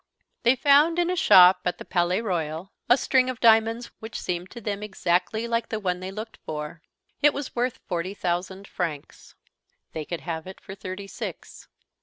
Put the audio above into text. They found, in a shop at the Palais Royal, a string of diamonds which seemed to them exactly like the one they looked for. It was worth forty thousand francs. They could have it for thirty six.